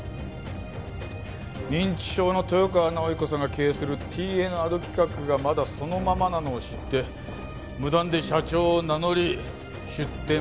認知症の豊川直彦さんが経営するＴＮａｄ企画がまだそのままなのを知って無断で社長を名乗り出店舗料詐欺。